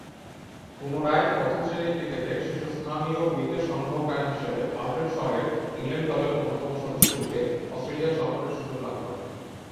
পুনরায় প্রথম-শ্রেণীর ক্রিকেটে শীর্ষস্থানীয় উইকেট সংগ্রহকারী হিসেবে আলফ্রেড শ’য়ের ইংল্যান্ড দলের অন্যতম সদস্যরূপে অস্ট্রেলিয়া সফরের সুযোগ লাভ করেন।